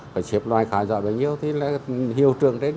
phải xếp loại khả giỏi bao nhiêu thì là hiệu trường đến rồi